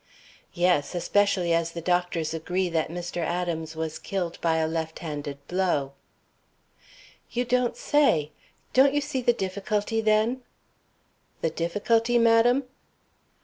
"Yes, especially as the doctors agree that Mr. Adams was killed by a left handed blow." "You don't say! Don't you see the difficulty, then?" "The difficulty, madam?"